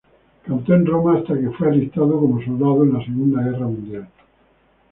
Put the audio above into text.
Cantó en Roma hasta que fue alistado como soldado en la Segunda Guerra Mundial.